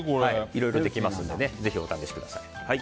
いろいろできますのでぜひお試しください。